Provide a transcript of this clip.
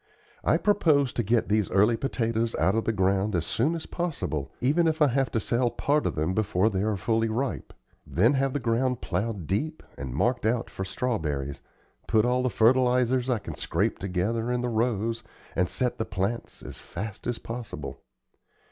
I propose to get these early potatoes out of the ground as soon as possible, even if I have to sell part of them before they are fully ripe; then have the ground plowed deep and marked out for strawberries, put all the fertilizers I can scrape together in the rows and set the plants as fast as possible.